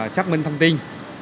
xác minh thông tin